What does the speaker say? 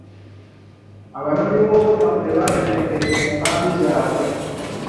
Abanoonyiboobubudamu tebatebenkedde mu nkambi zaabwe.